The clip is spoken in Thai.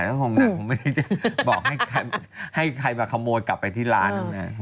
ก็คงหนักผมไม่ได้จะบอกให้ใครมาขโมยกลับไปที่ร้าน